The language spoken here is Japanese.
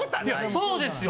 そうですよ。